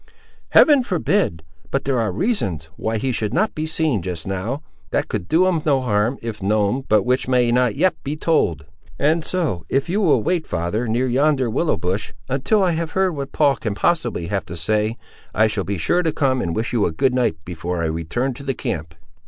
"Heaven forbid! But there are reasons, why he should not be seen, just now, that could do him no harm if known; but which may not yet be told. And, so, if you will wait, father, near yonder willow bush, until I have heard what Paul can possibly have to say, I shall be sure to come and wish you a good night, before I return to the camp."